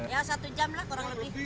ya satu jam lah kurang lebih